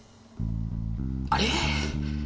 あれ？